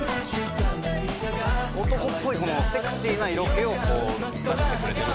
男っぽいこのセクシーな色気を出してくれてる。